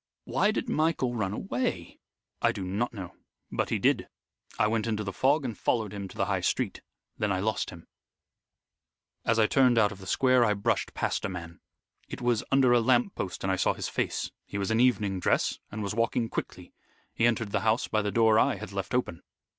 '" "Why did Michael run away?" "I do not know. But he did. I went into the fog and followed him to the High Street. Then I lost him. As I turned out of the square I brushed past a man. It was under a lamp post and I saw his face. He was in evening dress and was walking quickly. He entered the house by the door I had left open."